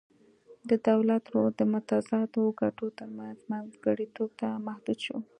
د دولت رول د متضادو ګټو ترمنځ منځګړیتوب ته محدود شو